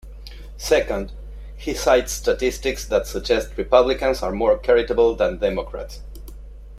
Second, he cites statistics that suggest Republicans are more charitable than Democrats.